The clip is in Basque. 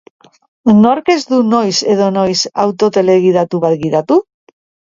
Nork ez du noiz edo noiz auto telegidatu bat gidatu?